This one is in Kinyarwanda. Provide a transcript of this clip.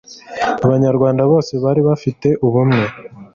abanyarwanda bose bari bafite ubumwe